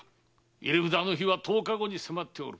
入れ札の日は十日後に迫っておる。